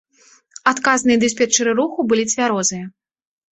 Адказныя дыспетчары руху былі цвярозыя.